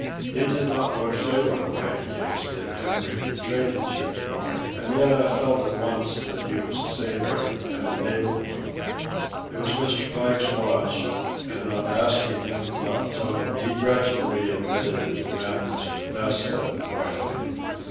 He did not look sailor like, as did Henry, the training ship boy; and yet I felt at once that he was a sailor, and an able one. It was Mr. Pike's watch, and on asking him about Tom he grudgingly admitted that the man was the "best of the boiling."